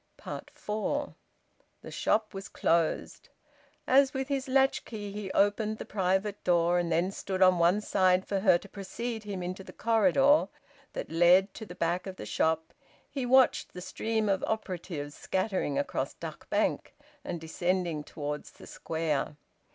FOUR. The shop was closed. As with his latchkey he opened the private door and then stood on one side for her to precede him into the corridor that led to the back of the shop, he watched the stream of operatives scattering across Duck Bank and descending towards the Square.